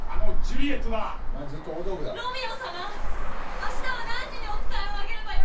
あしたは何時にお使いをあげればよろしいの？」